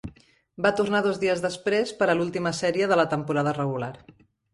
Va tornar dos dies després per a l'última sèrie de la temporada regular.